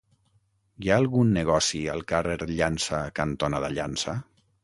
Hi ha algun negoci al carrer Llança cantonada Llança?